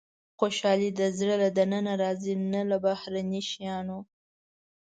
• خوشالي د زړه له دننه راځي، نه له بهرني شیانو.